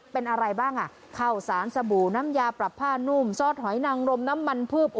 เป็นอะไรบ้างอ่ะข้าวสารสบู่น้ำยาปรับผ้านุ่มซอสหอยนังรมน้ำมันพืช